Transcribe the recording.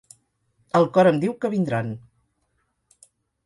El cor em diu que vindran.